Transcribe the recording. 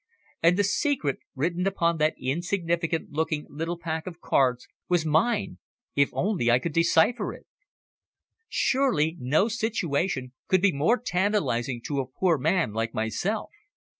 And the secret written upon that insignificant looking little pack of cards was mine if only I could decipher it! Surely no situation could be more tantalising to a poor man like myself.